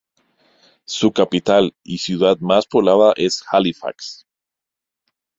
Su capital y ciudad más poblada es Halifax.